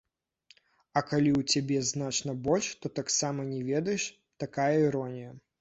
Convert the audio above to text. А калі ў цябе значна больш, то таксама не ведаеш, такая іронія.